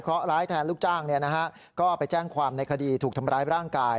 เพราะร้ายแทนลูกจ้างก็ไปแจ้งความในคดีถูกทำร้ายร่างกาย